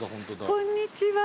こんにちは。